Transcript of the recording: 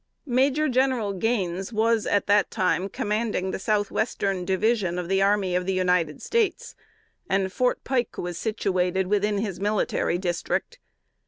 Major General Gaines was at that time commanding the south western division of the army of the United States; and Fort Pike was situated within his military district.